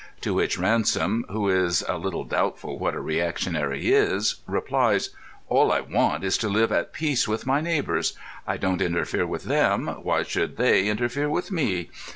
—to which Ransom, who is a little doubtful what a reactionary is, replies, "All I want is to live at peace with my neighbours. I don't interfere with them; why should they interfere with me?"